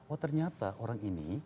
oh ternyata orang ini